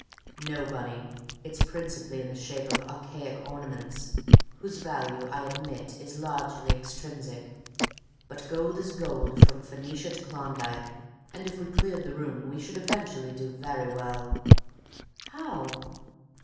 "No, Bunny, it's principally in the shape of archaic ornaments, whose value, I admit, is largely extrinsic. But gold is gold, from Phœnicia to Klondike, and if we cleared the room we should eventually do very well." "How?"